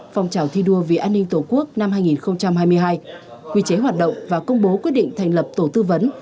phong trào thi đua vì an ninh tổ quốc năm hai nghìn hai mươi hai quy chế hoạt động và công bố quyết định thành lập tổ tư vấn